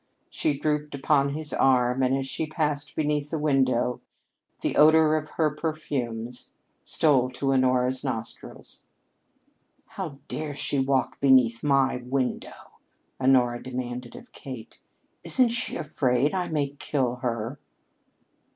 She drooped upon his arm, and as she passed beneath the window the odor of her perfumes stole to Honora's nostrils. "How dare she walk beneath my window?" Honora demanded of Kate. "Isn't she afraid I may kill her?"